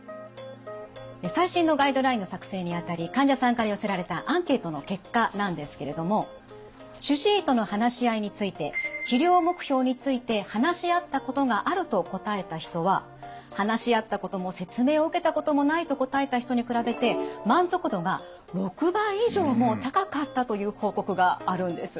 最新のガイドラインの作成にあたり患者さんから寄せられたアンケートの結果なんですけれども主治医との話し合いについて治療目標について話し合ったことがあると答えた人は話し合ったことも説明を受けたこともないと答えた人に比べて満足度が６倍以上も高かったという報告があるんです。